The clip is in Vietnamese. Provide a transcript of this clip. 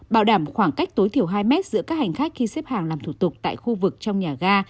bảo đảm khoảng cách tối thiểu hai mét giữa các hành khách khi xếp hàng làm thủ tục tại khu vực trong nhà ga